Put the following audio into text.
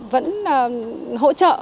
vẫn hỗ trợ